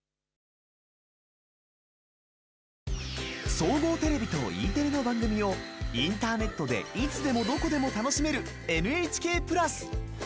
総合テレビとＥテレの番組をインターネットでいつでもどこでも楽しめる「ＮＨＫプラス」。